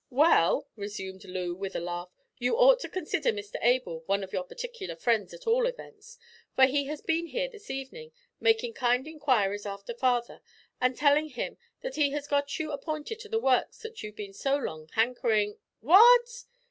"Well," resumed Loo with a laugh, "you ought to consider Mr Able one of your particular friends at all events, for he has been here this evening making kind inquiries after father, and telling him that he has got you appointed to the works that you've been so long hankering " "What!"